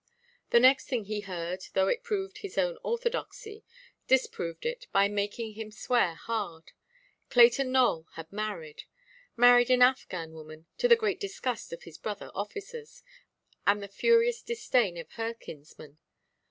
The next thing he heard, though it proved his own orthodoxy, disproved it by making him swear hard. Clayton Nowell had married; married an Affghan woman, to the great disgust of his brother officers, and the furious disdain of her kinsmen.